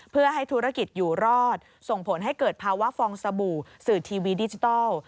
เพื่อให้ธุรกิจอยู่รอดส่งผลให้เกิดภาวะฟองสบู่สื่อทีวีดิจิทัล